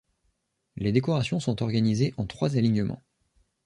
Les décorations sont organisées en trois alignements.